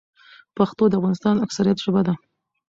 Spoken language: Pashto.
پښتو د افغانستان اکثريت ژبه ده.